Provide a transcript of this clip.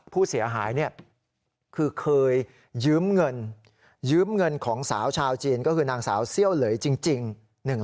ผู้เสียหายคือเคยยืมเงินยืมเงินของสาวชาวจีนก็คือนางสาวเซี่ยวเหลยจริง